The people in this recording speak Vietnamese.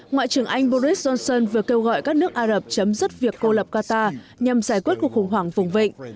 ngoại trưởng anh boris johnson vừa kêu gọi các nước ả rập chấm dứt việc cô lập qatar nhằm giải quyết cuộc khủng hoảng vùng vịnh